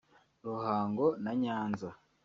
Ruhango na Nyanza